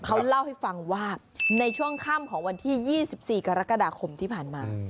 เขาเล่าให้ฟังว่าในช่วงค่ำของวันที่๒๔กรกฎาคมที่ผ่านมา